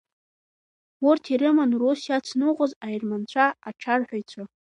Урҭ ирыман рус иацныҟәоз аерманцәа ачарҳәаҩцәа.